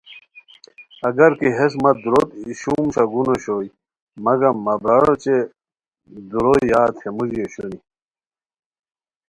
اگر کی ہیس مہ دُوروت ای شوم شگون اوشوئے مگم مہ برار اوچے ُدورو یاد ہے موژی اوشونی